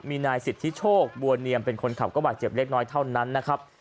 มีนายสิทธิโชคบัวเนียมเป็นคนขับก็บาดเจ็บเล็กน้อยเท่านั้นนะครับ